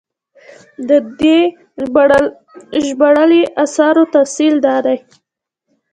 د دوي ژباړلي اثارو تفصيل دا دی